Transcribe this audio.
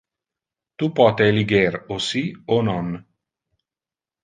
Tu pote eliger o si o non.